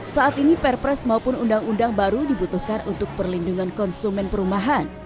saat ini perpres maupun undang undang baru dibutuhkan untuk perlindungan konsumen perumahan